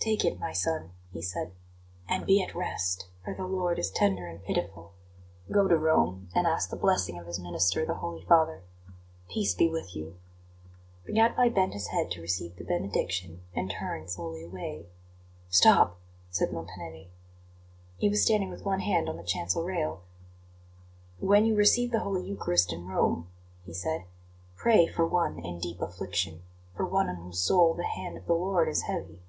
"Take it, my son," he said, "and be at rest, for the Lord is tender and pitiful. Go to Rome, and ask the blessing of His minister, the Holy Father. Peace be with you!" The Gadfly bent his head to receive the benediction, and turned slowly away. "Stop!" said Montanelli. He was standing with one hand on the chancel rail. "When you receive the Holy Eucharist in Rome," he said, "pray for one in deep affliction for one on whose soul the hand of the Lord is heavy."